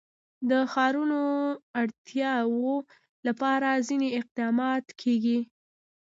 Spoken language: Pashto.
د ښارونو د اړتیاوو لپاره ځینې اقدامات کېږي.